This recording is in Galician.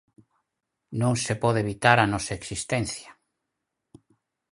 Non se pode evitar a nosa existencia.